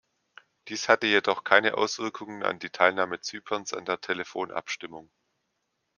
Dies hatte jedoch keine Auswirkungen an die Teilnahme Zyperns an der Telefonabstimmung.